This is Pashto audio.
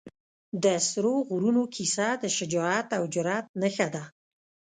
د سرو غرونو کیسه د شجاعت او جرئت نښه ده.